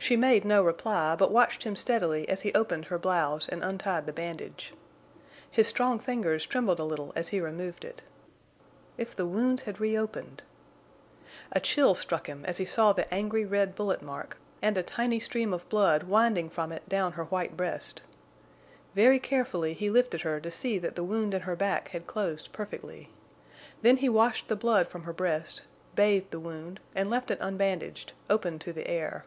She made no reply, but watched him steadily as he opened her blouse and untied the bandage. His strong fingers trembled a little as he removed it. If the wounds had reopened! A chill struck him as he saw the angry red bullet mark, and a tiny stream of blood winding from it down her white breast. Very carefully he lifted her to see that the wound in her back had closed perfectly. Then he washed the blood from her breast, bathed the wound, and left it unbandaged, open to the air.